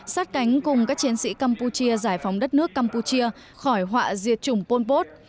sát cánh cùng các chiến sĩ campuchia giải phóng đất nước campuchia khỏi họa diệt chủng pol pot